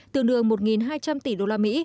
tương đương một hai trăm linh tỷ đô la mỹ